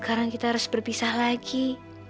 tapi nanti klikud akan selesai ngelah jest